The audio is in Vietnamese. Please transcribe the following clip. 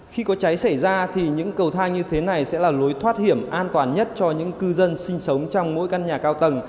khi có cháy xảy ra thì những cầu thang như thế này sẽ là lối thoát hiểm an toàn nhất cho những cư dân sinh sống trong mỗi căn nhà cao tầng